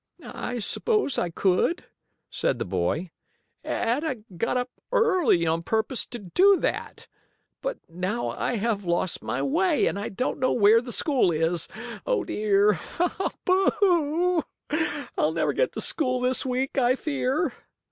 "I suppose I could," said the boy, "and I got up early on purpose to do that. But now I have lost my way, and I don't know where the school is. Oh, dear! Boo hoo! I'll never get to school this week, I fear."